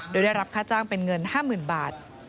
โดยได้รับค่าจ้างเป็นเงิน๕๐๐๐บาท